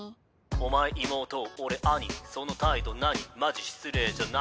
お前妹俺兄その態度何マジ失礼じゃない？